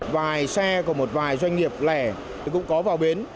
vài xe và một vài doanh nghiệp lẻ cũng có vào bến